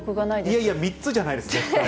いやいや、３つじゃないです、絶対。